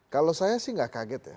kalau saya sih nggak kaget ya